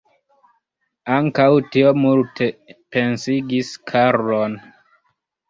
Ankaŭ tio multe pensigis Karlon.